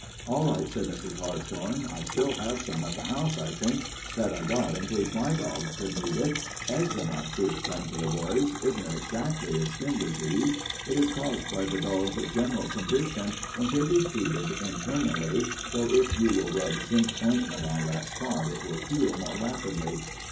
"All right," said Mrs. Hartshorn, "I still have some at the house, I think, that I got in case my dogs should need it. Eczema," she explained to the boys, "isn't exactly a skin disease. It is caused by the dog's general condition, and should be treated internally, though if you will rub zinc ointment on that spot it will heal more rapidly.